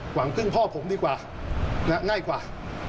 หวังพึ่งพ่อผมดีกว่าง่ายกว่า